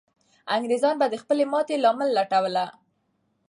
انګریزان به د خپلې ماتې لامل لټوله.